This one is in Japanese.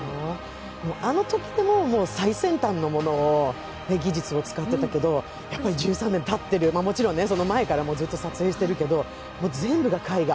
あのときでも最先端の技術を使っていたけれど、やっぱり１３年たってる、もちろんその前からずっと撮影してるけど、もう全部が絵画。